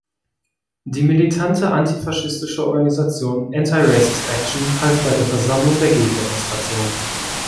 Die militante, antifaschistische Organisation Anti-Racist Action half bei der Versammlung der Gegendemonstration.